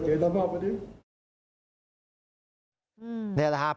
เดี๋ยวพ่อสงสัยมากเลยนะครับ